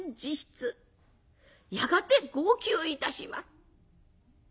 やがて号泣いたします。